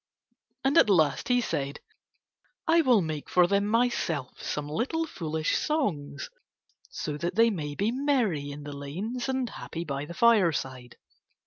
And at last he said: "I will make for them myself some little foolish songs so that they may be merry in the lanes and happy by the fireside."